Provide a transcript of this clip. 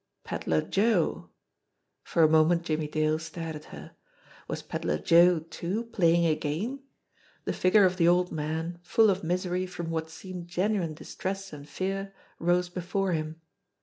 Pedler Joe! For a moment Jimmie Dale stared at her. Was Pedler Joe, too, playing a gan.e? The figure of the old man, full of misery from what seemed genuine distress and fear, rose before him.